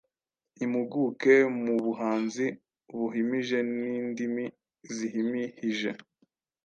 Impuguke mubuhanzi buhimihije,n indimi zihimihije